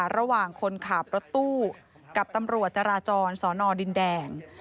ระหว่างคนขับรถตู้กับตำรวจจาราจรสนดินแดง